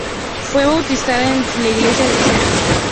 Fue bautizada en la iglesia de St.